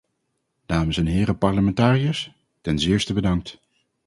Dames en heren parlementariërs, ten zeerste bedankt.